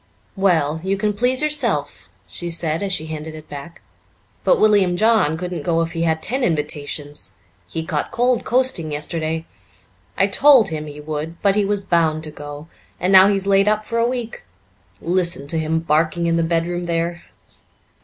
"Well, you can please yourself," she said as she handed it back, "but William John couldn't go if he had ten invitations. He caught cold coasting yesterday. I told him he would, but he was bound to go, and now he's laid up for a week. Listen to him barking in the bedroom there."